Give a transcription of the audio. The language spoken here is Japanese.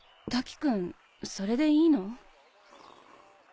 瀧くんそれでいいの？